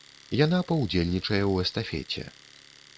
Яна паўдзельнічае ў эстафеце.